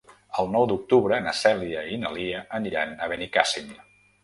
El nou d'octubre na Cèlia i na Lia aniran a Benicàssim.